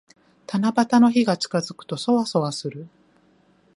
七夕の日が近づくと、そわそわする。